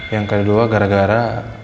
yang kedua gara gara